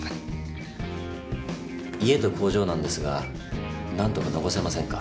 家と工場なんですが何とか残せませんか？